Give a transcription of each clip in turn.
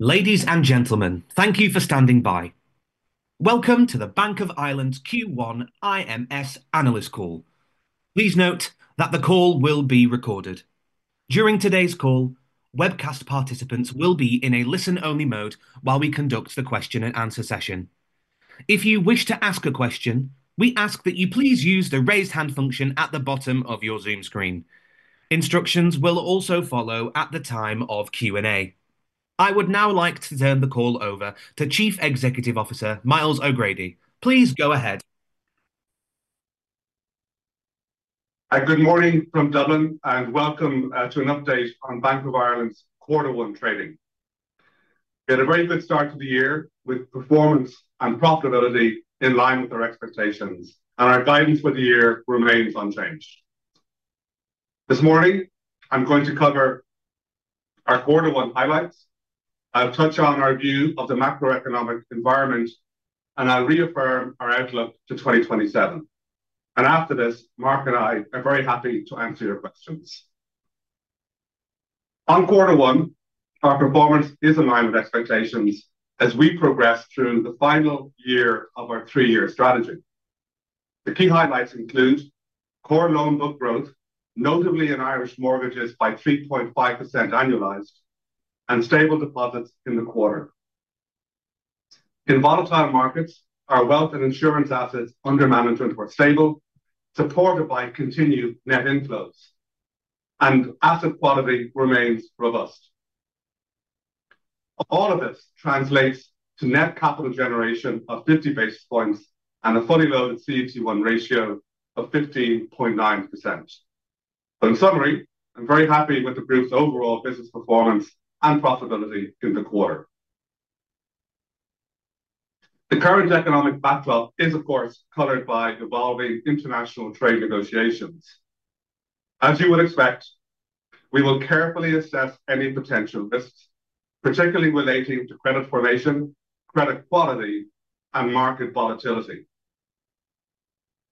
Ladies and gentlemen, thank you for standing by. Welcome to the Bank of Ireland Q1 IMS Analyst Call. Please note that the call will be recorded. During today's call, webcast participants will be in a listen-only mode while we conduct the question-and-answer session. If you wish to ask a question, we ask that you please use the raise hand function at the bottom of your Zoom screen. Instructions will also follow at the time of Q&A. I would now like to turn the call over to Chief Executive Officer Myles O'Grady. Please go ahead. Good morning from Dublin, and welcome to an update on Bank of Ireland's quarter one trading. We had a very good start to the year with performance and profitability in line with our expectations, and our guidance for the year remains unchanged. This morning, I'm going to cover our quarter one highlights. I'll touch on our view of the macroeconomic environment, and I'll reaffirm our outlook to 2027. After this, Mark and I are very happy to answer your questions. On quarter one, our performance is in line with expectations as we progress through the final year of our three-year strategy. The key highlights include core loan book growth, notably in Irish mortgages by 3.5% annualized, and stable deposits in the quarter. In volatile markets, our wealth and insurance assets under management were stable, supported by continued net inflows, and asset quality remains robust. All of this translates to net capital generation of 50 basis points and a fully loaded CET1 ratio of 15.9%. In summary, I'm very happy with the Group's overall business performance and profitability in the quarter. The current economic backdrop is, of course, colored by evolving international trade negotiations. As you would expect, we will carefully assess any potential risks, particularly relating to credit formation, credit quality, and market volatility.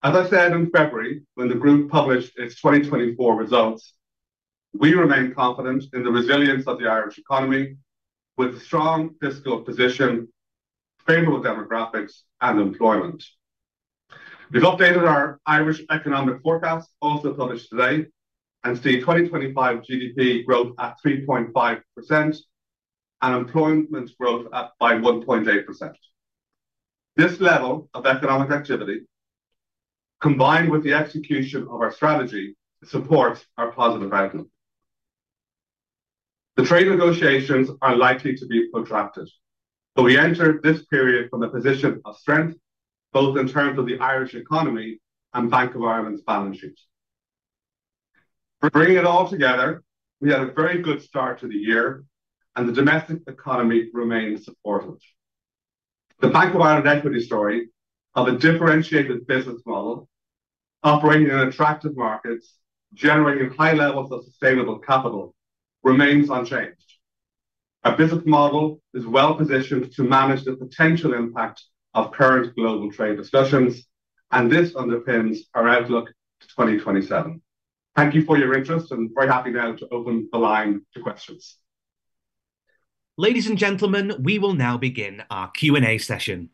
As I said in February, when the Group published its 2024 results, we remain confident in the resilience of the Irish economy with a strong fiscal position, favorable demographics, and employment. We've updated our Irish economic forecast, also published today, and see 2025 GDP growth at 3.5% and employment growth up by 1.8%. This level of economic activity, combined with the execution of our strategy, supports our positive outlook. The trade negotiations are likely to be protracted, but we enter this period from a position of strength, both in terms of the Irish economy and Bank of Ireland's balance sheets. For bringing it all together, we had a very good start to the year, and the domestic economy remains supportive. The Bank of Ireland equity story of a differentiated business model operating in attractive markets, generating high levels of sustainable capital, remains unchanged. Our business model is well positioned to manage the potential impact of current global trade discussions, and this underpins our outlook to 2027. Thank you for your interest, and I'm very happy now to open the line to questions. Ladies and gentlemen, we will now begin our Q&A session.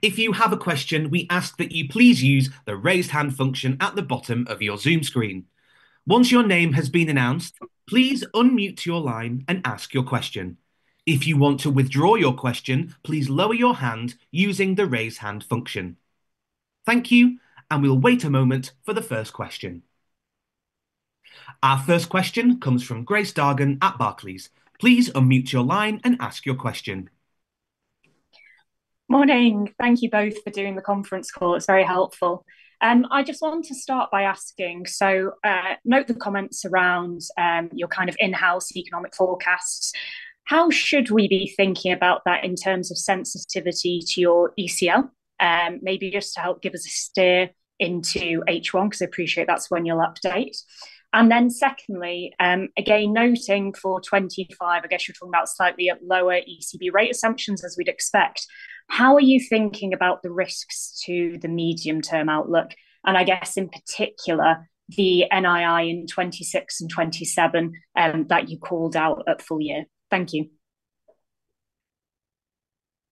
If you have a question, we ask that you please use the raise hand function at the bottom of your Zoom screen. Once your name has been announced, please unmute your line and ask your question. If you want to withdraw your question, please lower your hand using the raise hand function. Thank you, and we'll wait a moment for the first question. Our first question comes from Grace Dargan at Barclays. Please unmute your line and ask your question. Morning. Thank you both for doing the conference call. It's very helpful. I just want to start by asking, note the comments around your kind of in-house economic forecasts. How should we be thinking about that in terms of sensitivity to your ECL? Maybe just to help give us a steer into H1, because I appreciate that's when you'll update. Secondly, again, noting for 2025, I guess you're talking about slightly lower ECB rate assumptions, as we'd expect. How are you thinking about the risks to the medium-term outlook? I guess in particular, the NII in 2026 and 2027 that you called out at full year. Thank you.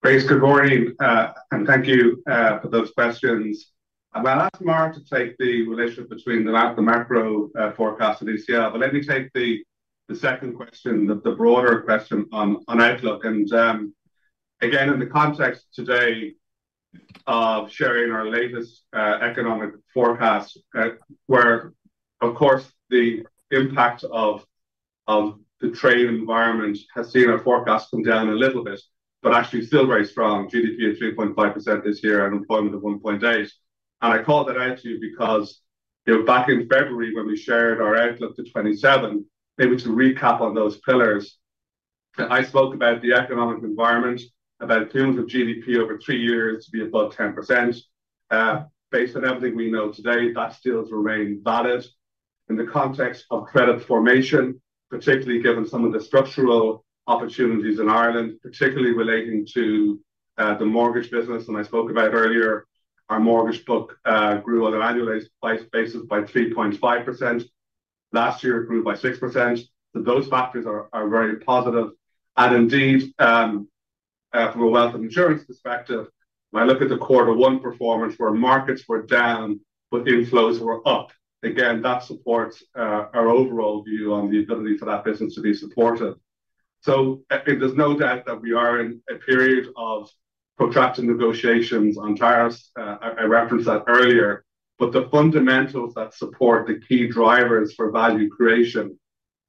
Grace, good morning, and thank you for those questions. I've asked Mark to take the relationship between the macro forecast and ECL, but let me take the second question, the broader question on outlook. In the context today of sharing our latest economic forecast, where, of course, the impact of the trade environment has seen our forecast come down a little bit, actually still very strong. GDP at 3.5% this year, unemployment at 1.8. I call that out to you because back in February, when we shared our outlook to 2027, maybe to recap on those pillars, I spoke about the economic environment, about cumulative GDP over three years to be above 10%. Based on everything we know today, that still remains valid in the context of credit formation, particularly given some of the structural opportunities in Ireland, particularly relating to the mortgage business. I spoke about earlier, our mortgage book grew on an annualized basis by 3.5%. Last year, it grew by 6%. Those factors are very positive. Indeed, from a wealth and insurance perspective, when I look at the quarter one performance, where markets were down but inflows were up, again, that supports our overall view on the ability for that business to be supportive. There is no doubt that we are in a period of protracted negotiations on tariffs. I referenced that earlier, but the fundamentals that support the key drivers for value creation,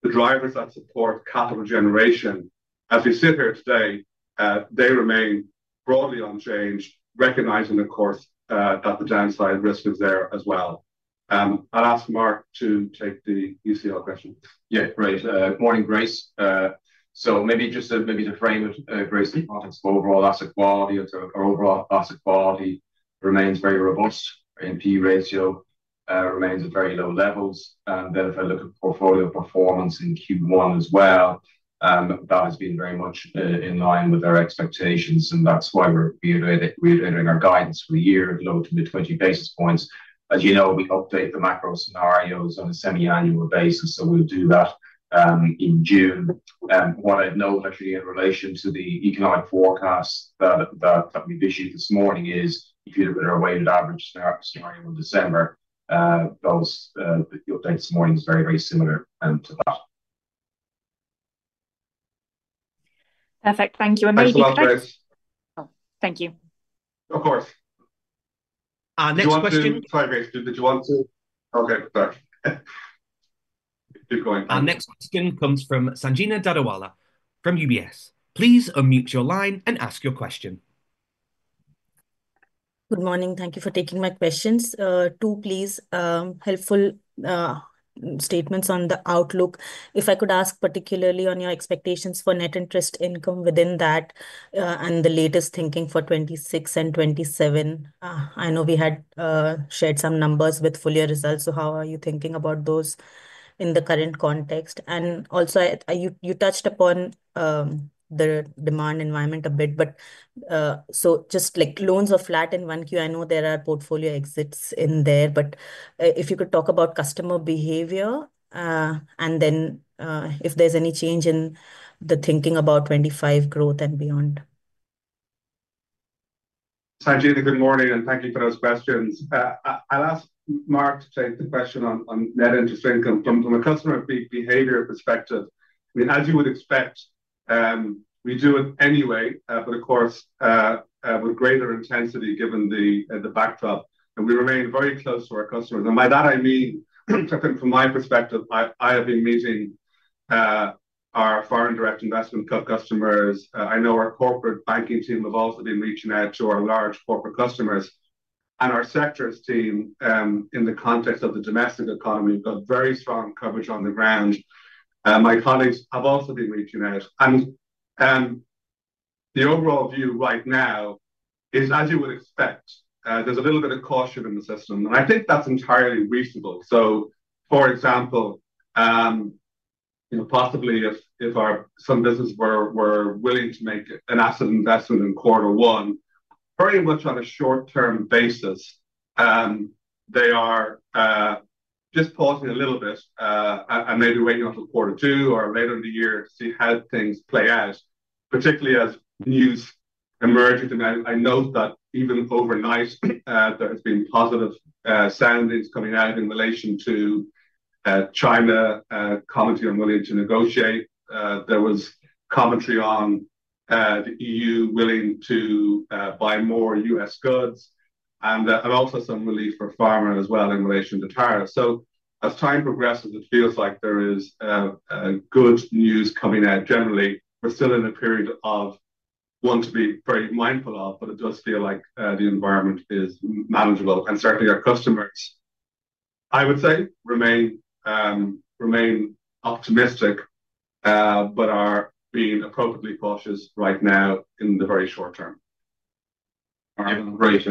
the drivers that support capital generation, as we sit here today, remain broadly unchanged, recognizing, of course, that the downside risk is there as well. I will ask Mark to take the ECL question. Yeah, great. Good morning, Grace. Maybe just to frame it, Grace, the context of overall asset quality, or overall asset quality, remains very robust. NP ratio remains at very low levels. If I look at portfolio performance in Q1 as well, that has been very much in line with our expectations, and that's why we're reiterating our guidance for the year, low to mid-20 basis points. As you know, we update the macro scenarios on a semi-annual basis, so we'll do that in June. What I've noted in relation to the economic forecast that we've issued this morning is, if you look at our weighted average scenario in December, those updates this morning are very, very similar to that. Perfect. Thank you. Maybe. Thank you. Of course. Next question. Sorry, Grace, did you want to? Okay, sorry. Keep going. Next question comes from Sanjena Dadawala from UBS. Please unmute your line and ask your question. Good morning. Thank you for taking my questions. Two, please. Helpful statements on the outlook. If I could ask particularly on your expectations for net interest income within that and the latest thinking for 2026 and 2027. I know we had shared some numbers with full year results, so how are you thinking about those in the current context? Also, you touched upon the demand environment a bit, but just loans are flat in Q1. I know there are portfolio exits in there, but if you could talk about customer behavior, and then if there's any change in the thinking about 2025 growth and beyond. Sanjena, good morning, and thank you for those questions. I'll ask Mark to take the question on net interest income from a customer behavior perspective. I mean, as you would expect, we do it anyway, but of course, with greater intensity given the backdrop. We remain very close to our customers. By that, I mean, I think from my perspective, I have been meeting our foreign direct investment customers. I know our corporate banking team have also been reaching out to our large corporate customers. Our sectors team, in the context of the domestic economy, we've got very strong coverage on the ground. My colleagues have also been reaching out. The overall view right now is, as you would expect, there's a little bit of caution in the system. I think that's entirely reasonable. For example, possibly if some business were willing to make an asset investment in quarter one, very much on a short-term basis, they are just pausing a little bit and maybe waiting until quarter two or later in the year to see how things play out, particularly as news emerges. I note that even overnight, there have been positive soundings coming out in relation to China commenting on willing to negotiate. There was commentary on the EU willing to buy more U.S. goods, and also some relief for farmers as well in relation to tariffs. As time progresses, it feels like there is good news coming out generally. We're still in a period of one to be very mindful of, but it does feel like the environment is manageable. Our customers, I would say, remain optimistic, but are being appropriately cautious right now in the very short term. Great.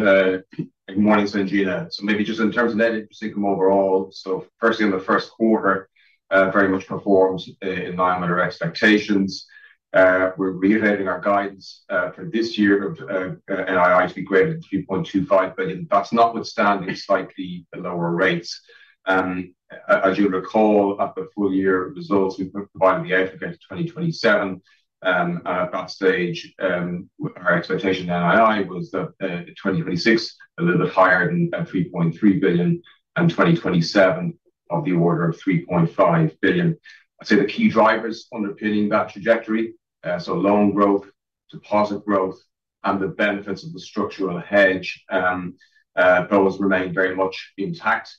Good morning, Sanjena. Maybe just in terms of net interest income overall, firstly, in the first quarter, very much performed in line with our expectations. We're reiterating our guidance for this year of NII to be guided at 3.25 billion. That's notwithstanding slightly lower rates. As you'll recall, after full year results, we provided the outlook into 2027. At that stage, our expectation of NII was that in 2026, a little bit higher than 3.3 billion, and 2027 of the order of 3.5 billion. I'd say the key drivers underpinning that trajectory, loan growth, deposit growth, and the benefits of the structural hedge, those remain very much intact.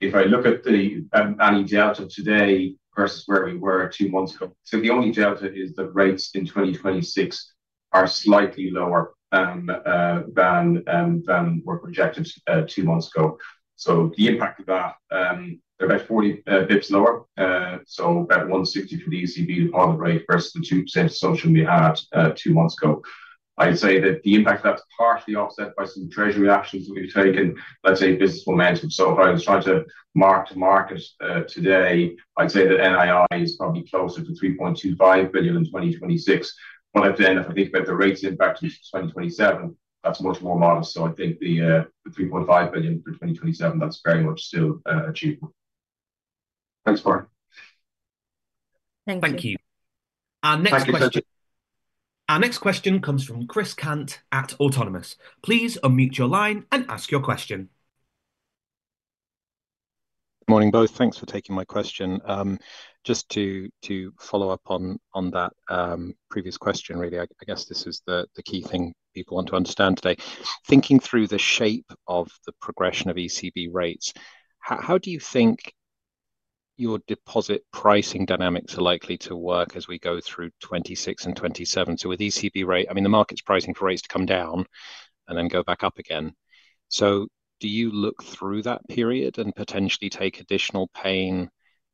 If I look at the NII delta today versus where we were two months ago, I'd say the only delta is that rates in 2026 are slightly lower than were projected two months ago. The impact of that, they are about 40 basis points lower, so about 160 for the ECB deposit rate versus the 2% assumption we had two months ago. I would say that the impact of that is partly offset by some treasury actions that we have taken, let us say business momentum. If I was trying to mark to market today, I would say that NII is probably closer to 3.25 billion in 2026. At the end, if I think about the rates impact in 2027, that is much more modest. I think the 3.5 billion for 2027, that is very much still achievable. Thanks, Mark. Thank you. Thank you. Our next question comes from Chris Cant at Autonomous. Please unmute your line and ask your question. Good morning, both. Thanks for taking my question. Just to follow up on that previous question, really, I guess this is the key thing people want to understand today. Thinking through the shape of the progression of ECB rates, how do you think your deposit pricing dynamics are likely to work as we go through 2026 and 2027? With ECB rate, I mean, the market's pricing for rates to come down and then go back up again. Do you look through that period and potentially take additional pain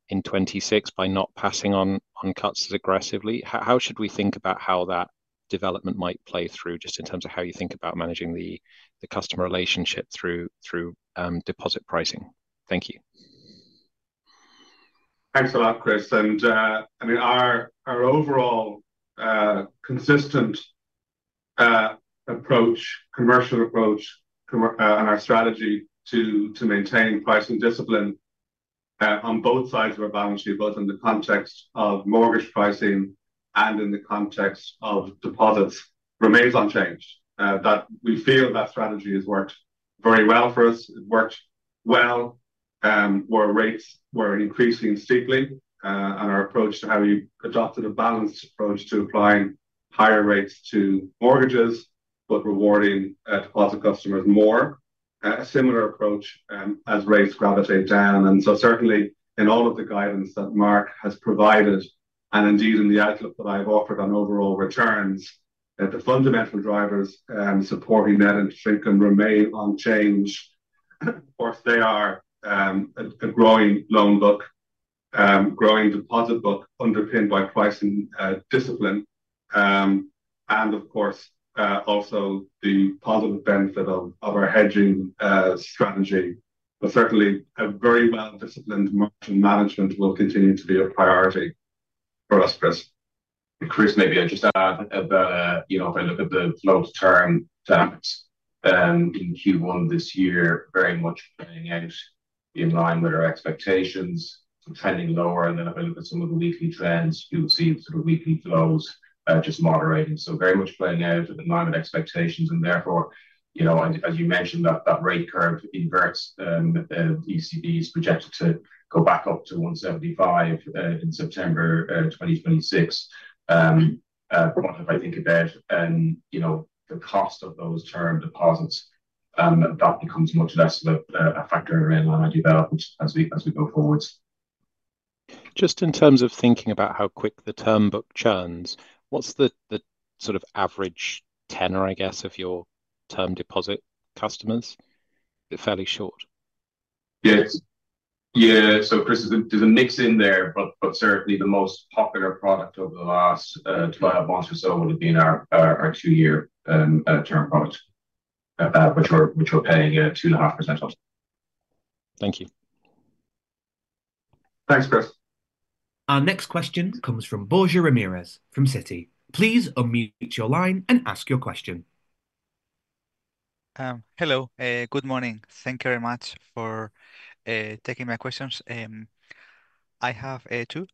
in 2026 by not passing on cuts as aggressively? How should we think about how that development might play through just in terms of how you think about managing the customer relationship through deposit pricing? Thank you. Thanks a lot, Chris. I mean, our overall consistent approach, commercial approach, and our strategy to maintain pricing discipline on both sides of our balance sheet, both in the context of mortgage pricing and in the context of deposits, remains unchanged. We feel that strategy has worked very well for us. It worked well where rates were increasing steeply, and our approach to how we adopted a balanced approach to applying higher rates to mortgages, but rewarding deposit customers more, a similar approach as rates gravitate down. Certainly, in all of the guidance that Mark has provided, and indeed in the outlook that I've offered on overall returns, the fundamental drivers supporting net interest income remain unchanged. Of course, they are a growing loan book, growing deposit book underpinned by pricing discipline, and of course, also the positive benefit of our hedging strategy. Certainly, a very well-disciplined margin management will continue to be a priority for us, Chris. Chris, maybe I'd just add that if I look at the flow-to-term stats in Q1 this year, very much playing out in line with our expectations, trending lower. If I look at some of the weekly trends, you'll see sort of weekly flows just moderating. Very much playing out in line with expectations. Therefore, as you mentioned, that rate curve inverts, ECB's projected to go back up to 1.75 in September 2026. If I think about the cost of those term deposits, that becomes much less of a factor in our development as we go forwards. Just in terms of thinking about how quick the term book churns, what's the sort of average tenor, I guess, of your term deposit customers? Fairly short. Yes. Yeah. Chris, there's a mix in there, but certainly the most popular product over the last twelve months or so would have been our two-year term product, which we're paying 2.5% on. Thank you. Thanks, Chris. Our next question comes from Borja Ramirez from Citi. Please unmute your line and ask your question. Hello. Good morning. Thank you very much for taking my questions. I have two.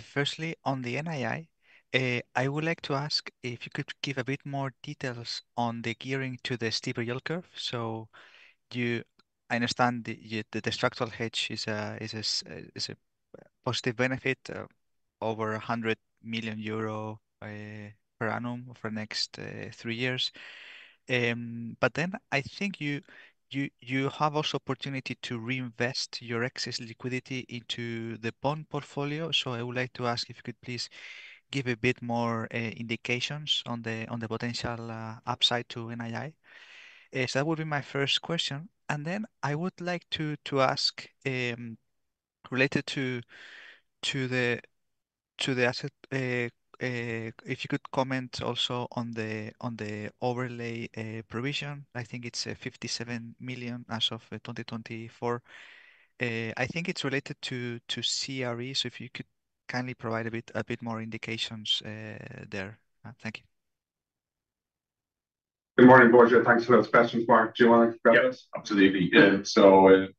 Firstly, on the NII, I would like to ask if you could give a bit more details on the gearing to the steeper yield curve. I understand that the structural hedge is a positive benefit over 100 million euro per annum for the next three years. I think you have also the opportunity to reinvest your excess liquidity into the bond portfolio. I would like to ask if you could please give a bit more indications on the potential upside to NII. That would be my first question. I would like to ask related to the asset, if you could comment also on the overlay provision. I think it is 57 million as of 2024. I think it is related to CRE. If you could kindly provide a bit more indications there. Thank you. Good morning, Borja. Thanks for those questions, Mark. Do you want to go? Yes, absolutely.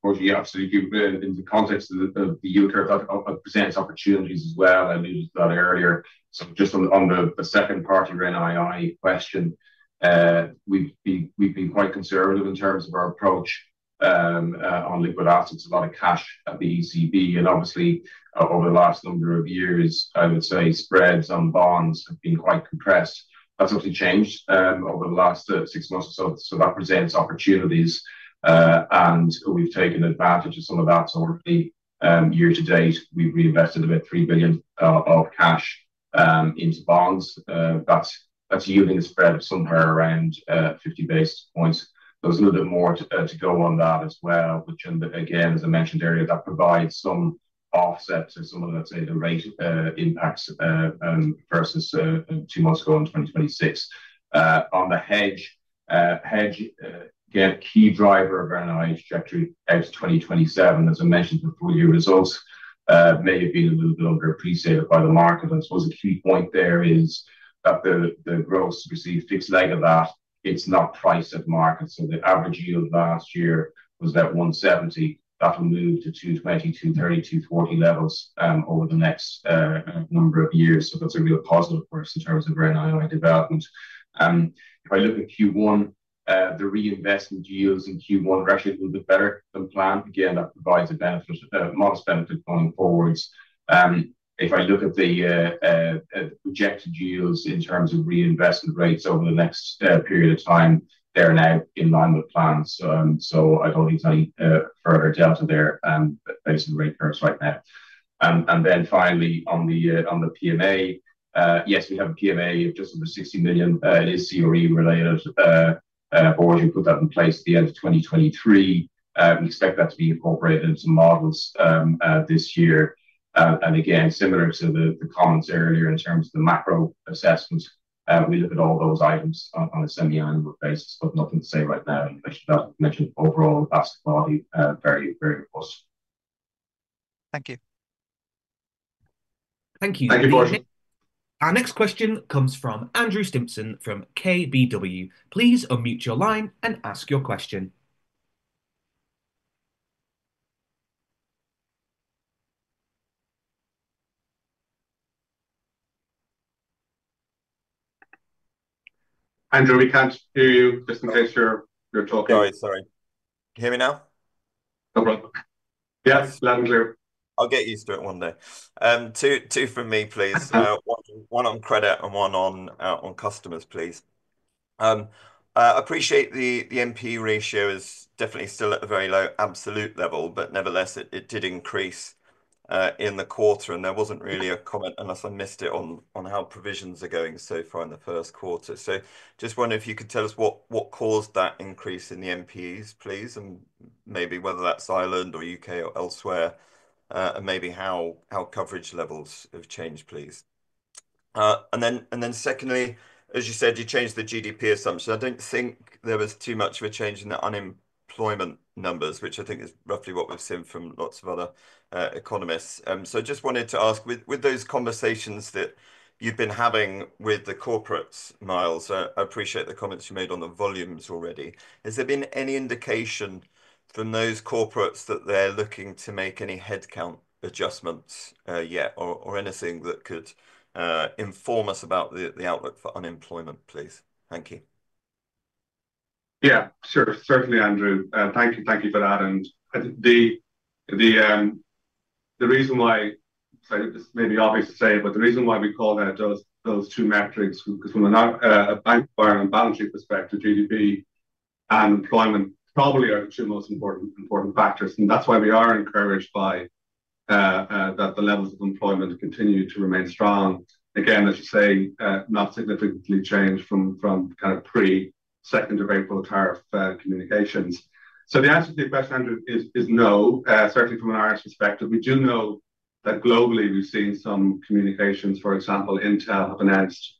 Borja, absolutely. In the context of the yield curve, that presents opportunities as well. I alluded to that earlier. Just on the second part of your NII question, we've been quite conservative in terms of our approach on liquid assets. A lot of cash at the ECB. Obviously, over the last number of years, I would say spreads on bonds have been quite compressed. That has obviously changed over the last six months. That presents opportunities. We've taken advantage of some of that. Already year-to-date, we've reinvested about 3 billion of cash into bonds. That is yielding a spread of somewhere around 50 basis points. There is a little bit more to go on that as well, which again, as I mentioned earlier, provides some offset to some of, let's say, the rate impacts versus two months ago in 2026. On the hedge, hedge key driver of our NII trajectory out to 2027. As I mentioned, the full year results may have been a little bit longer pre-saved by the market. I suppose a key point there is that the gross receive fixed leg of that, it's not priced at market. So the average yield last year was about 170. That will move to 220-230-240 levels over the next number of years. That is a real positive for us in terms of our NII development. If I look at Q1, the reinvestment yields in Q1 are actually a little bit better than planned. Again, that provides a modest benefit going forwards. If I look at the projected yields in terms of reinvestment rates over the next period of time, they're now in line with plans. I do not need any further delta there based on the rate curves right now. Finally, on the PMA, yes, we have a PMA of just under 60 million. It is CRE related. Borja, put that in place at the end of 2023. We expect that to be incorporated into models this year. Again, similar to the comments earlier in terms of the macro assessments, we look at all those items on a semi-annual basis, but nothing to say right now. I should mention overall, that is probably very, very positive. Thank you. Thank you. Thank you, Borja. Our next question comes from Andrew Stimpson from KBW. Please unmute your line and ask your question. Andrew, we can't hear you just in case you're talking. Sorry, sorry. Can you hear me now? No problem. Yes, loud and clear. I'll get used to it one day. Two from me, please. One on credit and one on customers, please. I appreciate the NP ratio is definitely still at a very low absolute level, but nevertheless, it did increase in the quarter. There wasn't really a comment unless I missed it on how provisions are going so far in the first quarter. Just wondering if you could tell us what caused that increase in the NPs, please, and maybe whether that's Ireland or U.K. or elsewhere, and maybe how coverage levels have changed, please. Secondly, as you said, you changed the GDP assumption. I don't think there was too much of a change in the unemployment numbers, which I think is roughly what we've seen from lots of other economists. I just wanted to ask, with those conversations that you've been having with the corporates, Myles, I appreciate the comments you made on the volumes already. Has there been any indication from those corporates that they're looking to make any headcount adjustments yet or anything that could inform us about the outlook for unemployment, please? Thank you. Yeah, certainly, Andrew. Thank you. Thank you for that. The reason why, it's maybe obvious to say, but the reason why we call out those two metrics is because from a bank environment, balance sheet perspective, GDP and employment probably are the two most important factors. That's why we are encouraged that the levels of employment continue to remain strong. Again, as you say, not significantly changed from kind of pre-second of April tariff communications. The answer to your question, Andrew, is no, certainly from an Irish perspective. We do know that globally, we've seen some communications. For example, Intel have announced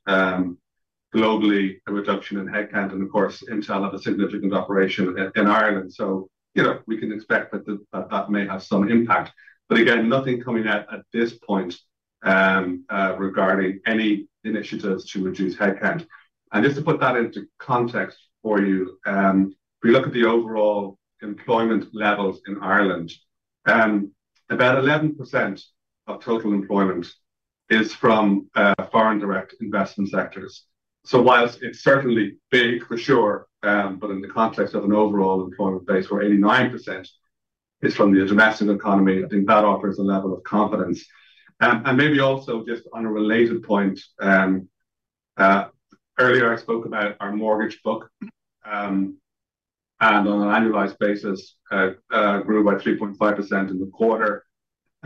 globally a reduction in headcount. Of course, Intel have a significant operation in Ireland. We can expect that that may have some impact. Again, nothing coming out at this point regarding any initiatives to reduce headcount. Just to put that into context for you, if you look at the overall employment levels in Ireland, about 11% of total employment is from foreign direct investment sectors. While it is certainly big for sure, in the context of an overall employment base where 89% is from the domestic economy, I think that offers a level of confidence. Maybe also just on a related point, earlier I spoke about our mortgage book, and on an annualized basis, grew by 3.5% in the quarter.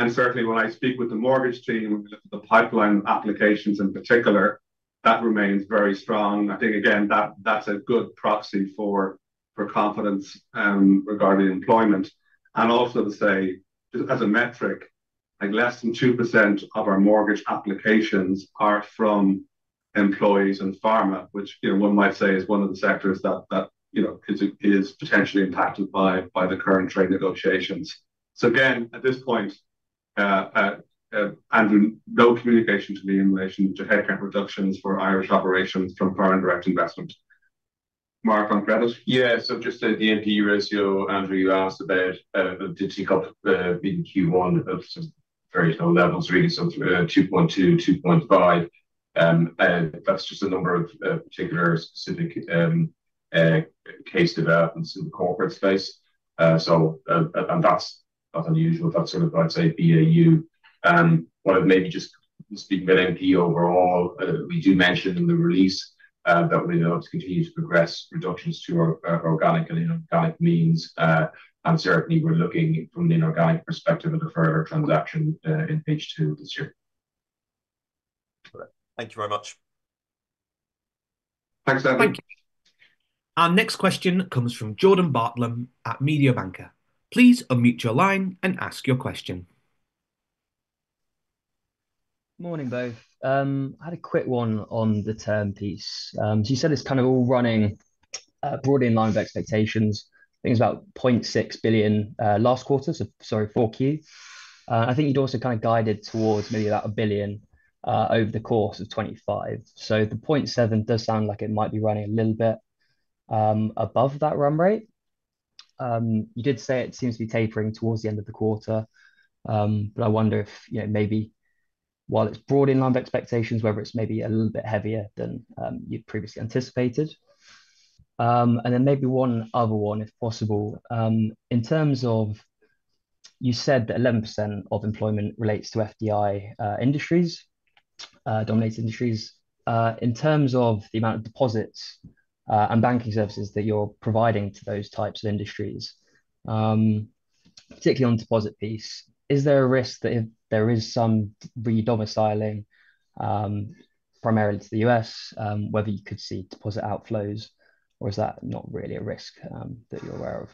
Certainly, when I speak with the mortgage team, when we look at the pipeline of applications in particular, that remains very strong. I think, again, that is a good proxy for confidence regarding employment. Also to say, as a metric, less than 2% of our mortgage applications are from employees in pharma, which one might say is one of the sectors that is potentially impacted by the current trade negotiations. Again, at this point, Andrew, no communication to me in relation to headcount reductions for Irish operations from foreign direct investment. Mark on credit? Yeah. Just the NP ratio, Andrew, you asked about, you did copy Q1 of some very low levels, really, so 2.2%-2.5%. That's just a number of particular specific case developments in the corporate space. That's not unusual. That's sort of, I'd say, BAU. Maybe just speaking about NP overall, we do mention in the release that we'll continue to progress reductions through our organic and inorganic means. Certainly, we're looking from the inorganic perspective at a further transaction in phase two this year. Thank you very much. Thanks, Andrew. Thank you. Our next question comes from Jordan Bartlam at Mediobanca. Please unmute your line and ask your question. Morning, both. I had a quick one on the term piece. You said it's kind of all running broadly in line with expectations. Things about 0.6 billion last quarter, sorry, Q4. I think you'd also kind of guided towards maybe about 1 billion over the course of 2025. The 0.7 billion does sound like it might be running a little bit above that run rate. You did say it seems to be tapering towards the end of the quarter. I wonder if maybe while it's broad in line with expectations, whether it's maybe a little bit heavier than you previously anticipated. One other one, if possible. In terms of you said that 11% of employment relates to FDI industries, dominated industries. In terms of the amount of deposits and banking services that you're providing to those types of industries, particularly on the deposit piece, is there a risk that if there is some re-domiciling primarily to the US, whether you could see deposit outflows, or is that not really a risk that you're aware of?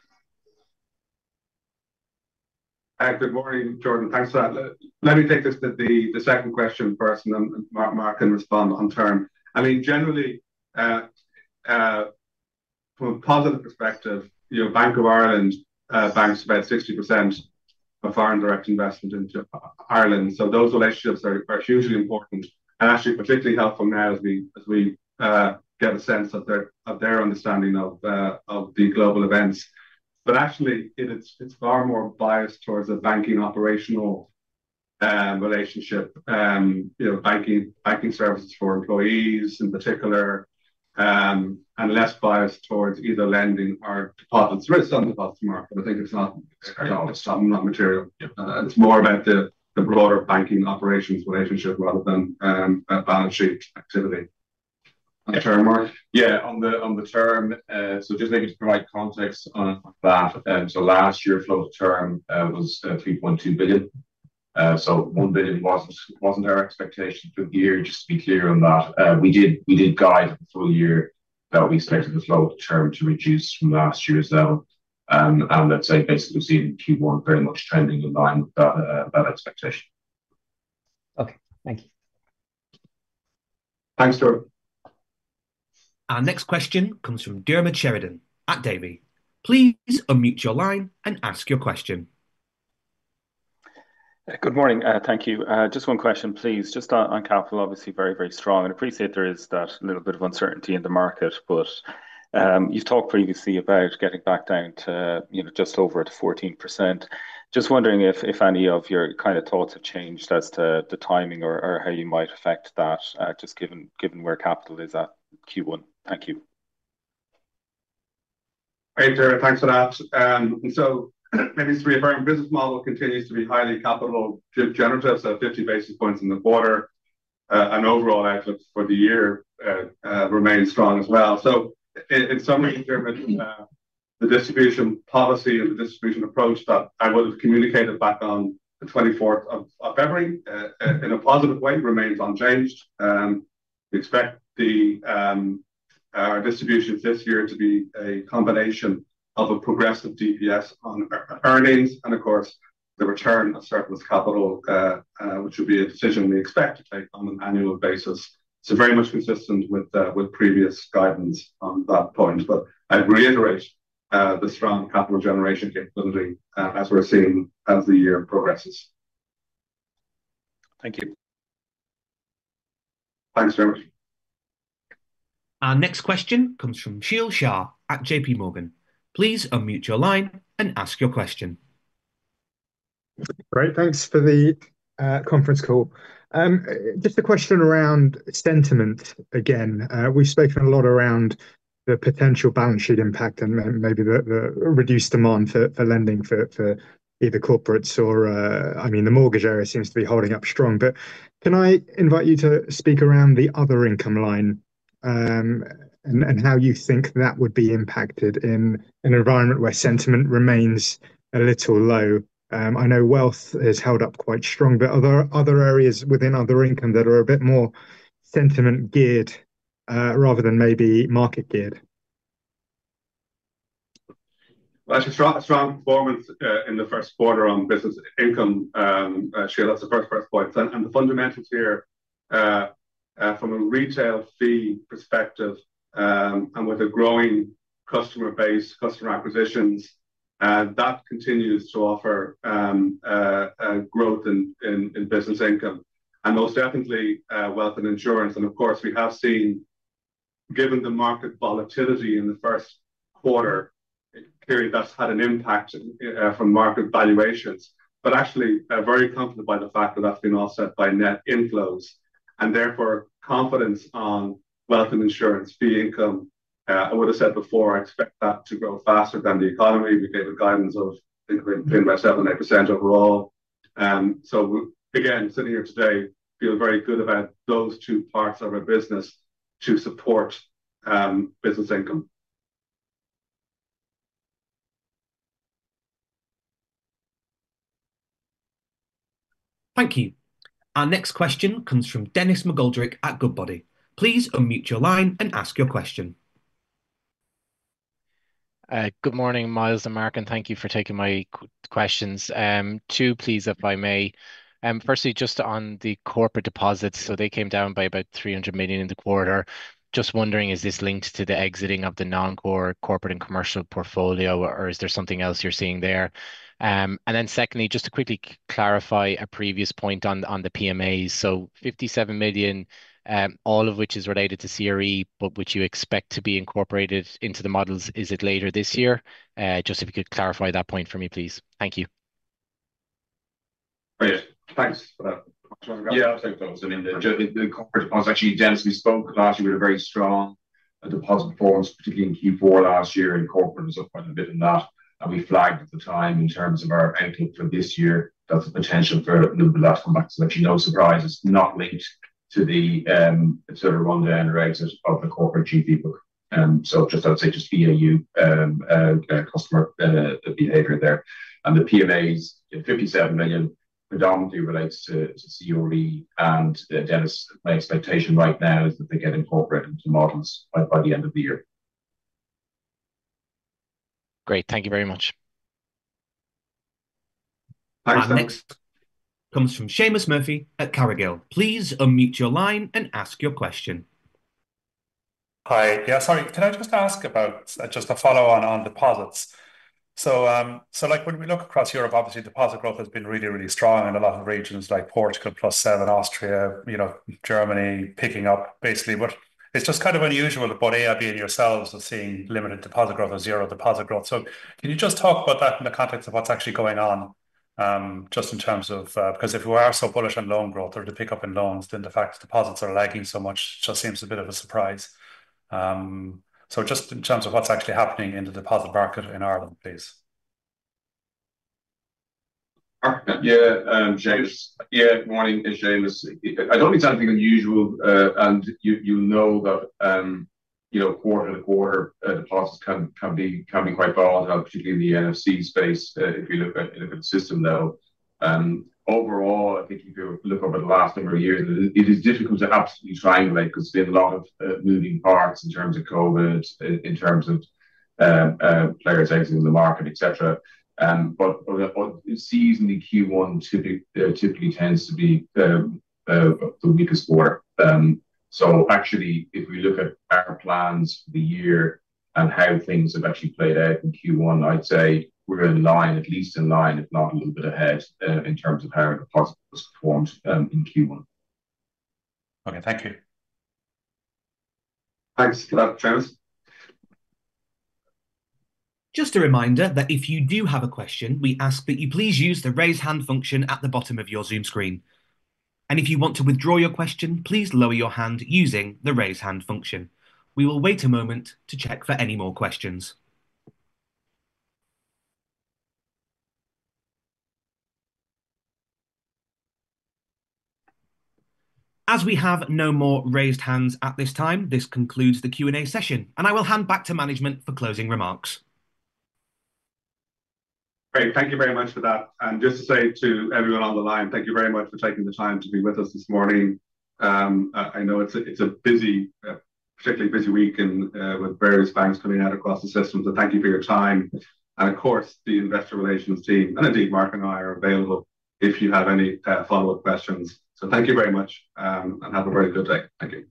Good morning, Jordan. Thanks for that. Let me take this to the second question first, and then Mark can respond on term. I mean, generally, from a positive perspective, Bank of Ireland banks about 60% of foreign direct investment into Ireland. Those relationships are hugely important and actually particularly helpful now as we get a sense of their understanding of the global events. Actually, it is far more biased towards a banking operational relationship, banking services for employees in particular, and less biased towards either lending or deposits. There is some deposits, Mark, but I think it is not material. It is more about the broader banking operations relationship rather than balance sheet activity. On term, Mark? Yeah, on the term. Just maybe to provide context on that, last year's flow -to-term was 3.2 billion. 1 billion was not our expectation for the year. Just to be clear on that, we did guide for the year that we expected the flow-to-term to reduce from last year's level. Let's say basically we've seen Q1 very much trending in line with that expectation. Okay. Thank you. Thanks, Jordan. Our next question comes from Diarmaid Sheridan at Davy. Please unmute your line and ask your question. Good morning. Thank you. Just one question, please. Just on capital, obviously very, very strong. I appreciate there is that little bit of uncertainty in the market, but you've talked previously about getting back down to just over 14%. Just wondering if any of your kind of thoughts have changed as to the timing or how you might affect that, just given where capital is at Q1. Thank you. Great, Diarmaid. Thanks for that. Maybe to reaffirm, business model continues to be highly capital generative, 50 basis points in the quarter. Overall outlook for the year remains strong as well. In summary, Diarmaid, the distribution policy and the distribution approach that I would have communicated back on the 24th of February in a positive way remains unchanged. We expect our distributions this year to be a combination of a progressive DPS on earnings and, of course, the return of surplus capital, which would be a decision we expect to take on an annual basis. Very much consistent with previous guidance on that point. I'd reiterate the strong capital generation capability as we're seeing as the year progresses. Thank you. Thanks very much. Our next question comes from Sheel Shah at JPMorgan. Please unmute your line and ask your question. Great. Thanks for the conference call. Just a question around sentiment again. We've spoken a lot around the potential balance sheet impact and maybe the reduced demand for lending for either corporates or, I mean, the mortgage area seems to be holding up strong. Can I invite you to speak around the other income line and how you think that would be impacted in an environment where sentiment remains a little low? I know wealth has held up quite strong, but are there other areas within other income that are a bit more sentiment-geared rather than maybe market-geared? Strong performance in the first quarter on business income, Sheel, that's the first point. The fundamentals here from a retail fee perspective and with a growing customer base, customer acquisitions, that continues to offer growth in business income. Most definitely wealth and insurance. Of course, we have seen, given the market volatility in the first quarter, that's had an impact from market valuations. Actually, very comfortable by the fact that that's been offset by net inflows. Therefore, confidence on wealth and insurance, fee income, I would have said before, I expect that to grow faster than the economy. We gave a guidance of increment between 7% and 8% overall. Again, sitting here today, feel very good about those two parts of our business to support business income. Thank you. Our next question comes from Denis McGoldrick at Goodbody. Please unmute your line and ask your question. Good morning, Myles and Mark. Thank you for taking my questions. Two, please, if I may. Firstly, just on the corporate deposits, they came down by about 300 million in the quarter. Just wondering, is this linked to the exiting of the non-core corporate and commercial portfolio, or is there something else you're seeing there? Secondly, just to quickly clarify a previous point on the PMAs. 57 million, all of which is related to CRE, but which you expect to be incorporated into the models, is it later this year? If you could clarify that point for me, please. Thank you. Great. Thanks for that. Yeah, I'll take those. I mean, the corporate deposits, actually, Denis, we spoke last year with a very strong deposit performance, particularly in Q4 last year, and corporate was up quite a bit in that. We flagged at the time in terms of our outlook for this year that the potential for that to come back is actually no surprise. It's not linked to the sort of rundown rates of the corporate GB book. I'd say just BAU customer behavior there. The PMAs, 57 million, predominantly relates to CRE. Denis, my expectation right now is that they get incorporated into models by the end of the year. Great. Thank you very much. Thanks. Thanks. Comes from Seamus Murphy at Carraighill. Please unmute your line and ask your question. Hi. Yeah, sorry. Can I just ask about just a follow-on on deposits? When we look across Europe, obviously, deposit growth has been really, really strong in a lot of regions like Portugal, [Parcela], Austria, Germany picking up basically. It is just kind of unusual that both AIB and yourselves are seeing limited deposit growth or zero deposit growth. Can you just talk about that in the context of what is actually going on just in terms of because if we are so bullish on loan growth or the pickup in loans, then the fact that deposits are lagging so much just seems a bit of a surprise. Just in terms of what is actually happening in the deposit market in Ireland, please. Yeah. Yeah, good morning. It's Seamus. I don't think it's anything unusual. You know that quarter-to-quarter, deposits can be quite volatile, particularly in the NFC space if you look at the system level. Overall, I think if you look over the last number of years, it is difficult to absolutely triangulate because there's been a lot of moving parts in terms of COVID, in terms of players exiting the market, etc. Seasonally, Q1 typically tends to be the weakest quarter. Actually, if we look at our plans for the year and how things have actually played out in Q1, I'd say we're in line, at least in line, if not a little bit ahead in terms of how deposit was performed in Q1. Okay. Thank you. Thanks for that, Seamus. Just a reminder that if you do have a question, we ask that you please use the raise hand function at the bottom of your Zoom screen. If you want to withdraw your question, please lower your hand using the raise hand function. We will wait a moment to check for any more questions. As we have no more raised hands at this time, this concludes the Q&A session, and I will hand back to management for closing remarks. Great. Thank you very much for that. Just to say to everyone on the line, thank you very much for taking the time to be with us this morning. I know it's a particularly busy week with various banks coming out across the system. Thank you for your time. Of course, the investor relations team, and indeed, Mark and I are available if you have any follow-up questions. Thank you very much, and have a very good day. Thank you.